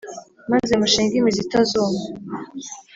Maze mushinge imizi itazuma